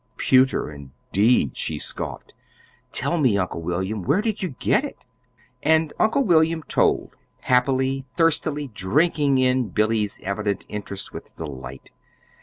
'Pewter,' indeed!" she scoffed. "Tell me, Uncle William, where did you get it?" And uncle William told, happily, thirstily, drinking in Billy's evident interest with delight.